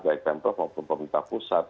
baik pemprov maupun pemerintah pusat